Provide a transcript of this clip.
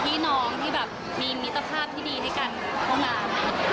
ก็เป็นพี่น้องที่มีมิตรภาพที่ดีในการทำงาน